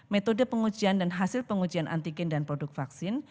metode pengujian dan hasil pengujian antigen dan produk vaksin